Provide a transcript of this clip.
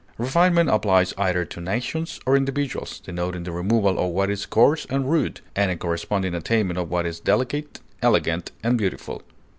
Refinement applies either to nations or individuals, denoting the removal of what is coarse and rude, and a corresponding attainment of what is delicate, elegant, and beautiful.